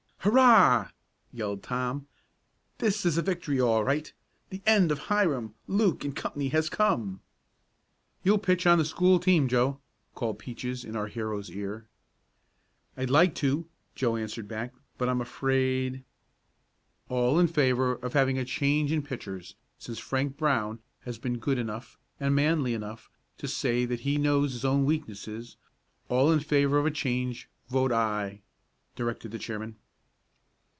"Hurrah!" yelled Tom. "This is a victory all right. The end of Hiram, Luke and Company has come." "You'll pitch on the school team, Joe!" called Peaches in our hero's ear. "I'd like to," Joe answered back, "but I'm afraid " "All in favor of having a change in pitchers, since Frank Brown has been good enough, and manly enough, to say that he knows his own weakness all in favor of a change vote 'aye,'" directed the chairman.